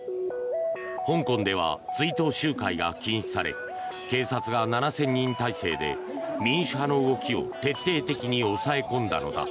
香港では、追悼集会が禁止され警察が７０００人態勢で民主派の動きを徹底的に抑え込んだのだ。